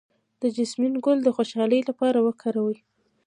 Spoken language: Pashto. د جیسمین ګل د خوشحالۍ لپاره وکاروئ